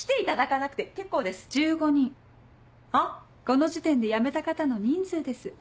この時点でやめた方の人数です。